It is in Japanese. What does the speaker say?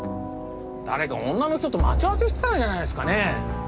誰か女の人と待ち合わせしてたんじゃないですかね。